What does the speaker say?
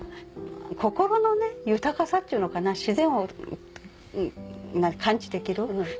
心の豊かさっちゅうのかな自然を感知できる。